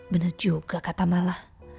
bener juga kata mala